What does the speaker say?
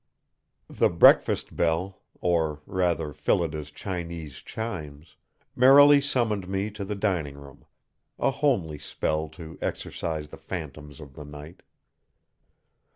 The breakfast bell, or rather Phillida's Chinese chimes, merrily summoned me to the dining room; a homely spell to exercise the phantoms of the night.